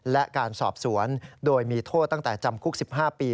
และการสอบสวนโดยมีโทษตั้งแต่จำคุก๑๕ปี